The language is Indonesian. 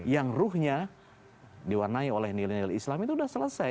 yang ruhnya diwarnai oleh nilai nilai islam itu sudah selesai